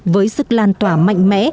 với sức lan tỏa mạnh mẽ